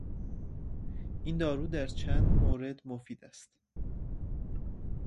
این دارو در چند مورد مفید است.